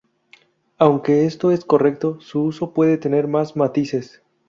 Aunque esto es correcto, su uso puede tener más matices.